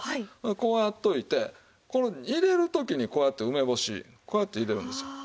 こうやっておいてこれ入れる時にこうやって梅干しこうやって入れるんですよ。